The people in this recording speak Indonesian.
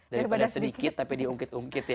daripada sedikit tapi diungkit ungkit ya